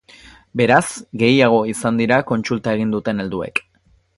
Beraz, gehiago izan dira kontsulta egin duten helduek.